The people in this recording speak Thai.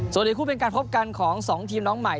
ส่วนอีกคู่เป็นการพบกันของ๒ทีมน้องใหม่